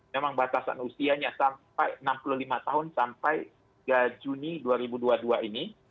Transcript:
memang batasan usianya sampai enam puluh lima tahun sampai tiga juni dua ribu dua puluh dua ini